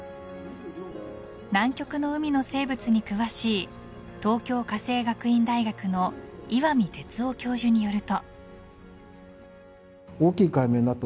南極の海の生物に詳しい東京家政学院大学の岩見哲夫教授によると。